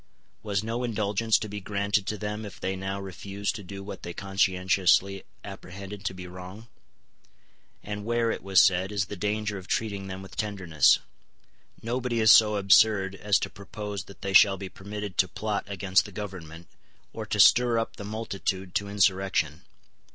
Was no indulgence to be granted to them if they now refused to do what they conscientiously apprehended to be wrong? And where, it was said, is the danger of treating them with tenderness? Nobody is so absurd as to propose that they shall be permitted to plot against the Government, or to stir up the multitude to insurrection.